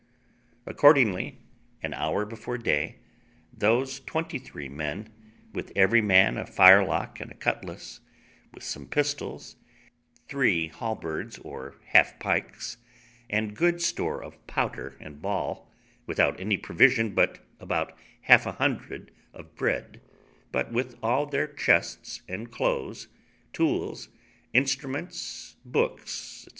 Accordingly, an hour before day, those twenty three men, with every man a firelock and a cutlass, with some pistols, three halberds or half pikes, and good store of powder and ball, without any provision but about half a hundred of bread, but with all their chests and clothes, tools, instruments, books, &c.